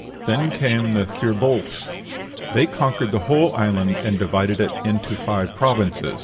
Then came the Fir Bolgs. They conquered the whole island, and divided it into five provinces.